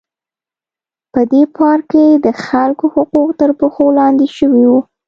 په دې پارک کې د خلکو حقوق تر پښو لاندې شوي وو.